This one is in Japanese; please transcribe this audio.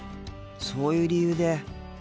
そういう理由で。